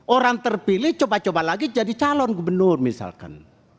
orang terpilih coba coba lagi jadi calon gubernur misalkan